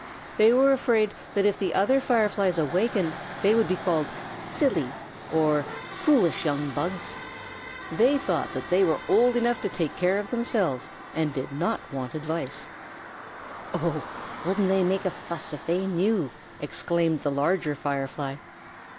They were afraid that if the other Fireflies awakened they would be called "silly" or "foolish young bugs." They thought that they were old enough to take care of themselves, and did not want advice. "Oh, wouldn't they make a fuss if they knew!" exclaimed the Larger Firefly.